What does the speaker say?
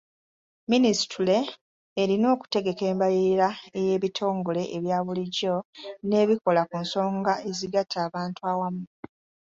Minisitule erina okutegeka embalirira ey'ebitongole ebyabulijjo n'ebikola ku nsonga ezigatta abantu awamu.